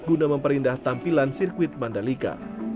guna memperindah tampilan sirkuit mandalika